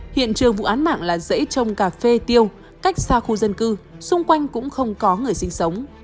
hiện trường vụ án mạng là dãy trồng cà phê tiêu cách xa khu dân cư xung quanh cũng không có người sinh sống